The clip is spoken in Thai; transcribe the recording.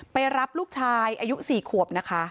ไปรับลูกชายอายุ๔ขวบนะคะ